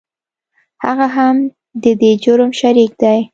هغه هم د دې جرم شریک دی .